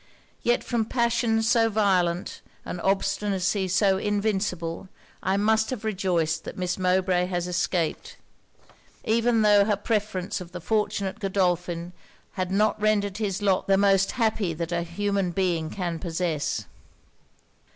Yet from passions so violent, and obstinacy so invincible, I must have rejoiced that Miss Mowbray has escaped; even tho' her preference of the fortunate Godolphin had not rendered his lot the most happy that a human being can possess.'